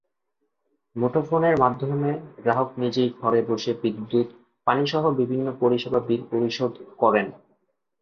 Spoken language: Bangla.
মুঠোফোনের মাধ্যমে গ্রাহক নিজেই ঘরে বসে বিদ্যুৎ, পানিসহ বিভিন্ন পরিষেবা বিল পরিশোধ করেন।